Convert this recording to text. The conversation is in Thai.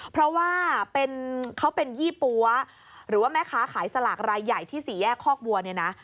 เพราะว่าเขาเป็นยี่ปั๊วหรือว่าแม่ค้าขายสลากรายใหญ่ที่สี่แยกคอกบัวเนี่ยนะ